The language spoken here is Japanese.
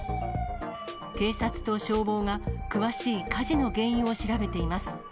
警察と消防が詳しい火事の原因を調べています。